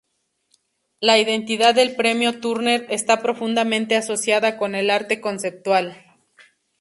La identidad del premio Turner está profundamente asociada con el arte conceptual.